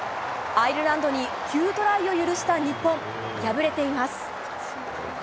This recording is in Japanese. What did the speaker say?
アイルランドに９トライを許した日本敗れています。